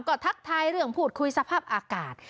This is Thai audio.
ก็ทักทายเรื่องพูดคุยสภาพอากาศ